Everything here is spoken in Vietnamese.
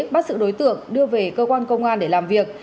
bắt sự đối tượng đưa về cơ quan công an để làm việc